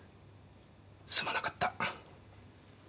すまなかった。